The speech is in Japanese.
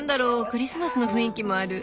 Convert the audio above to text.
クリスマスの雰囲気もある。